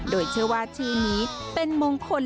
โดยเชื่อว่าชื่อนี้เป็นมงคล